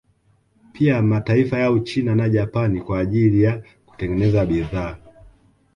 Pia mataifa ya Uchina na Japan kwa ajili ya kutengeneza bidhaa